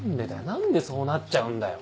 何でそうなっちゃうんだよ？